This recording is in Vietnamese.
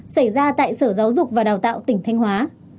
xảy ra tại sở giáo dục và đào tạo tỉnh thanh hóa